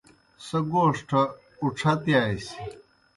سہ گوݜٹھہ اُڇھتِیاسیْ۔